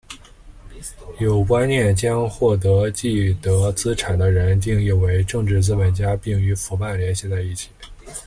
有观念将获得既得资产的人定义为政治资本家并与腐败联系在一起。